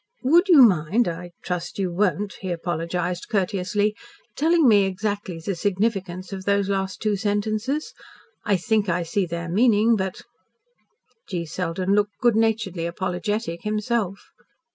"Would you mind I trust you won't," he apologised courteously, "telling me exactly the significance of those two last sentences. In think I see their meaning, but " G. Selden looked good naturedly apologetic himself.